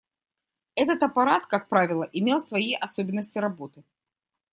Этот аппарат, как правило, имел свои особенности работы.